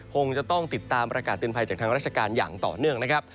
คงจะต้องติดตามประกาศเตือนภัยจากทางราชการอย่างต่อเนื่องนะครับ